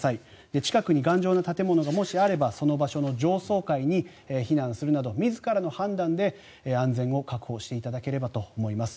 近くに頑丈な建物がもしあればその場所の上層階に避難するなど自らの判断で安全を確保していただければと思います。